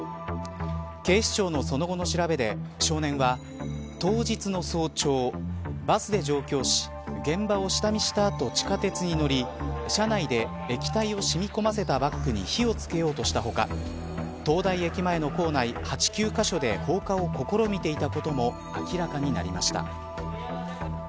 警視庁のその後の調べで少年は、当日の早朝バスで上京し現場を下見した後、地下鉄に乗り車内で、液体を染みこませたバッグに火をつけようとした他東大駅前の構内８、９カ所で放火を試みていたことも明らかになりました。